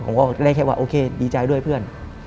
ผมก็ได้แค่ว่าโอเคดีใจด้วยเพื่อน